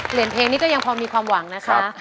เปลี่ยนเพลงนี้ก็ยังพอมีความหวังนะครับ